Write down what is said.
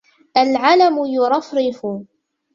العلم يرفرف،